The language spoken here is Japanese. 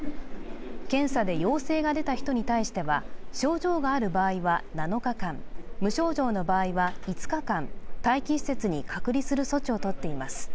検査で陽性が出た人に対しては症状がある場合は７日間無症状の場合は５日間待機施設に隔離する措置をとっています。